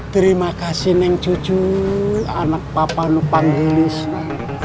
terima kasih nenek cucu anak papa lu panggilnya